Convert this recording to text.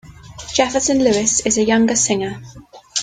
Jefferson Lewis is a younger singer.